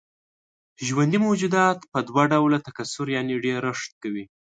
ژوندي موجودات په دوه ډوله تکثر يعنې ډېرښت کوي.